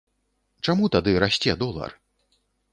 Чаму тады расце долар?